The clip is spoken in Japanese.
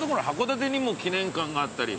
函館にも記念館があったり。